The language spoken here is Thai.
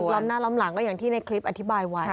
ล้อมหน้าล้อมหลังก็อย่างที่ในคลิปอธิบายไว้